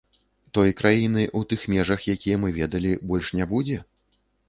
Той краіны, у тых межах, якія мы ведалі, больш не будзе?